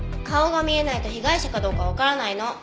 顔が見えないと被害者かどうかわからないの。